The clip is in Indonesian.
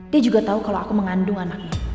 dia juga tahu kalau aku mengandung anaknya